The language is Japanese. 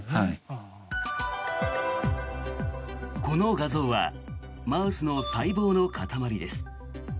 この画像はマウスの細胞の塊です。